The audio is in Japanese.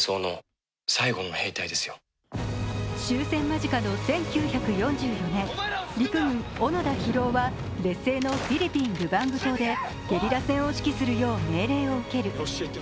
終戦間近の１９４４年、陸軍・小野田寛郎は劣勢のフィリピン・ルバング島でゲリラ戦を指揮するよう命令を受ける。